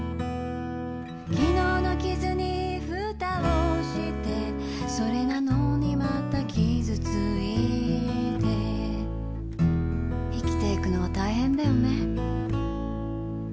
「昨日の傷にふたをしてそれなのにまた傷ついて」「生きていくのは大変だよね」